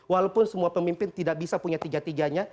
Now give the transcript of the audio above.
walaupun semua pemimpin tidak bisa punya tiga tiganya